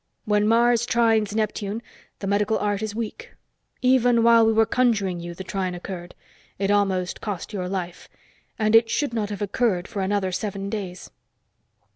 When Mars trines Neptune, the Medical Art is weak; even while we were conjuring you, the trine occurred. It almost cost your life. And it should not have occurred for another seven days."